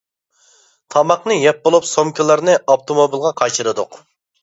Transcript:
تاماقنى يەپ بولۇپ سومكىلارنى ئاپتوموبىلغا قاچىلىدۇق.